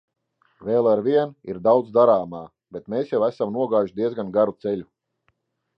Vēl arvien ir daudz darāmā, bet mēs jau esam nogājuši diezgan garu ceļu.